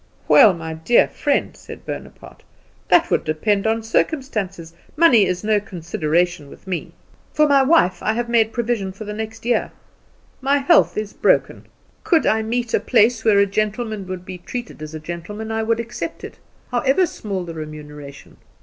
"Well, my dear friend," said Bonaparte, "that would depend on circumstances. Money is no consideration with me. For my wife I have made provision for the next year. My health is broken. Could I meet a place where a gentleman would be treated as a gentleman I would accept it, however small the remuneration.